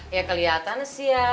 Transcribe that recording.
ya kelihatan sih ya